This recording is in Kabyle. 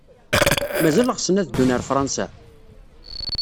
Mazal ɣsen ad ddun ɣer Fṛansa?